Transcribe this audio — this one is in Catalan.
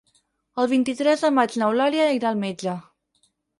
El vint-i-tres de maig n'Eulàlia irà al metge.